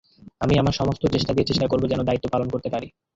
আমি আমার সমস্ত চেষ্টা দিয়ে চেষ্টা করব যেন দায়িত্ব পালন করতে পারি।